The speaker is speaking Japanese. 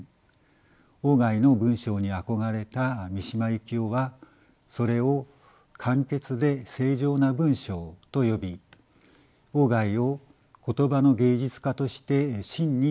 外の文章に憧れた三島由紀夫はそれを簡潔で清浄な文章と呼び外を言葉の芸術家として真に復活すべき人と語りました。